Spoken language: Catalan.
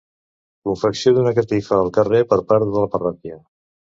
Confecció d'una catifa al carrer per part de la parròquia.